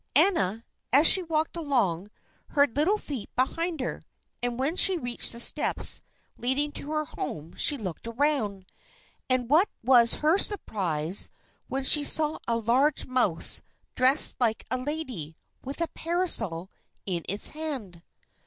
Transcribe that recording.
Anna, as she walked along, heard little feet behind her; and when she reached the steps leading to her home she looked round, and what was her surprise when she saw a large mouse dressed like a lady, with a parasol in its hand.